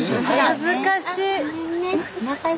恥ずかしい。